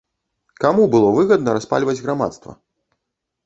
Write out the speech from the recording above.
Каму было выгадна распальваць грамадства?